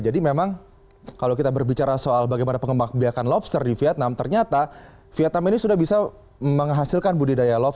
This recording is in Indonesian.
jadi memang kalau kita berbicara soal bagaimana pengembang biakan lobster di vietnam ternyata vietnam ini sudah bisa menghasilkan budi daya